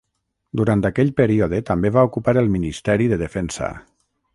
Durant aquell període també va ocupar el Ministeri de Defensa.